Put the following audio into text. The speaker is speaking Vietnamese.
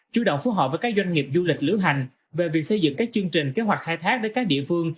chủ động phối hợp với các doanh nghiệp du lịch lưu hành về việc xây dựng các chương trình kế hoạch khai thác đến các địa phương